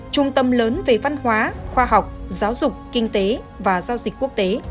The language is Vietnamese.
trung tâm lớn về văn hóa khoa học giáo dục kinh tế và giao dịch quốc tế